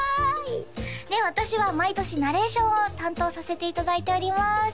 で私は毎年ナレーションを担当させていただいております